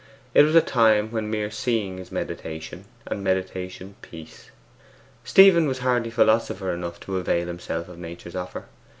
It was a time when mere seeing is meditation, and meditation peace. Stephen was hardly philosopher enough to avail himself of Nature's offer.